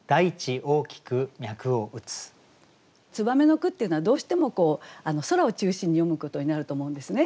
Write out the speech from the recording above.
「燕」の句っていうのはどうしてもこう空を中心に詠むことになると思うんですね。